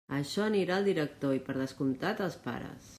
Açò anirà al director i per descomptat als pares.